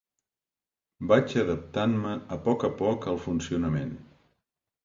Vaig adaptant-me a poc a poc al funcionament.